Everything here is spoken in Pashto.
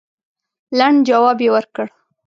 لنډ جواب یې ورکړ.